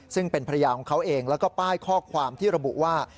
ซึ่งเป็นภรรยาของเขาเองแล้วก็ป้ายข้อความที่ระบุว่า